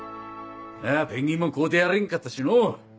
まぁペンギンも飼うてやれんかったしのう。